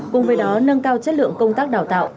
cùng với đó nâng cao chất lượng công tác đào tạo